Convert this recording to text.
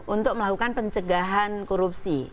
untuk melakukan pencegahan korupsi